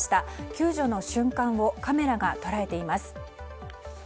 救助の瞬間をカメラが捉えています。